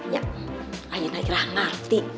ya akhirnya ira ngerti